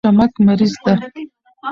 شمک مریض ده